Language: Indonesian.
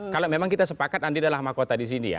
kalau memang kita sepakat andi adalah mahkota disini ya